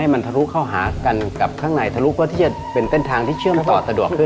ว่าจะเป็นการเชื่อมตอดรับขึ้น